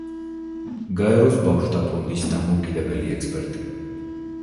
გაეროს ბავშვთა ფონდის დამოუკიდებელი ექსპერტი.